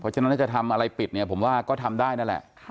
เพราะฉะนั้นถ้าจะทำอะไรปิดผมว่าก็ทำได้นั่นแหละ